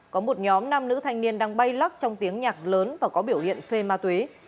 có một nhóm nam nữ thanh niên đang bay lắc trong tiếng nhạc lớn và có biểu hiện phê ma túy